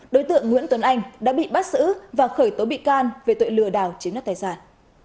đối tượng nguyễn tuấn anh đã bị bắt xử và khởi tố bị can về tội lừa đảo chiếm đất tài sản